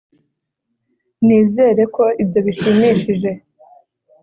nizere ko ibyo bishimishije